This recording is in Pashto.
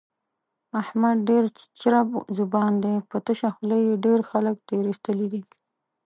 احمد ډېر چرب زبان دی، په تشه خوله یې ډېر خلک تېر ایستلي دي.